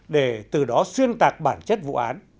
để từ đó xuyên tạc bản chất vụ án